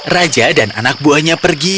raja dan anak buahnya pergi